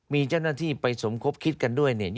มีเจ้าหน้าที่ไปสมคบคิดกันด้วย